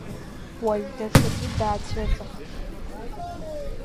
Уажәы даҽаӡәы даацәырҵхт.